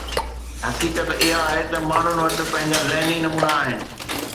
حقيقت اها آهي ته ماڻهن وٽ پنهنجا ذهني نمونا آهن.